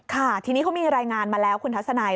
ค่ะทีนี้เขามีรายงานมาแล้วคุณทัศนัย